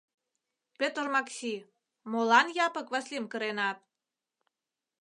Пӧтыр Макси, молан Япык Васлим кыренат?